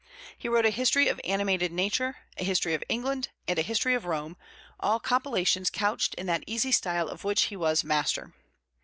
He wrote a History of Animated Nature, a History of England, and a History of Rome, all compilations couched in that easy style of which he was master.